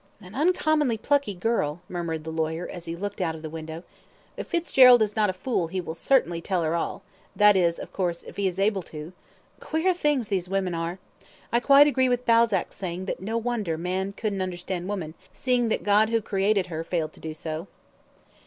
"An uncommonly plucky girl," murmured the lawyer, as he looked out of the window. "If Fitzgerald is not a fool he will certainly tell her all that is, of course, if he is able to queer things these women are I quite agree with Balzac's saying that no wonder man couldn't understand woman, seeing that God who created her failed to do so."